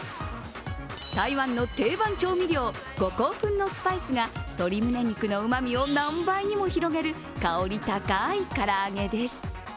台湾の定番調味料、五香粉のスパイスが鶏胸肉の旨味を何倍にも広げるかり高い唐揚げです。